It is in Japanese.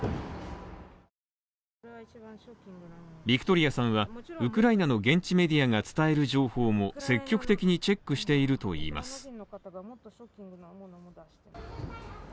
ビクトリアさんは、ウクライナの現地メディアが伝える情報も積極的にチェックしているといいます。